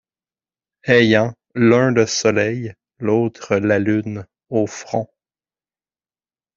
Ayant, l’un le soleil, l’autre la lune, au front.